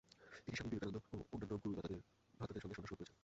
তিনি স্বামী বিবেকানন্দ ও অন্যান্য গুরুভ্রাতাদের সঙ্গে সন্ন্যাস গ্রহণ করেছিলেন।